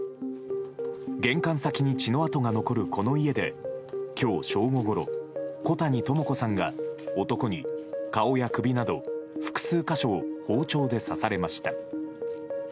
玄関先に血の跡が残る、この家で今日正午ごろ、小谷朋子さんが男に顔や首など複数箇所を包丁で刺されました。